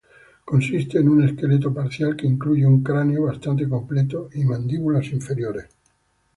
Consiste en un esqueleto parcial que incluye un cráneo bastante completo y mandíbulas inferiores.